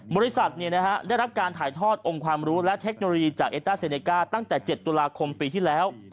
บริษัทได้รับการถ่ายทอดองค์ความรู้และเทคโนโลยีจากเอต้าเซเนก้าตั้งแต่๗ตุลาคมปีที่แล้ว